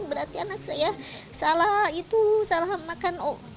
berarti anak saya salah itu salah makan